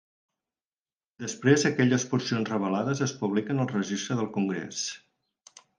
Després aquelles porcions revelades es publiquen al Registre del Congrés.